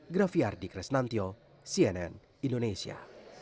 graffiardi kresnantyo cnn indonesia